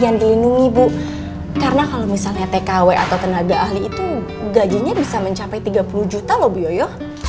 yang dilindungi bu karena kalau misalnya tkw atau tenaga ahli itu gajinya bisa mencapai tiga puluh juta loh bu yoyo